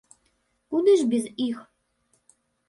Куды ж без іх!